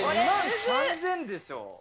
２万３０００でしょ？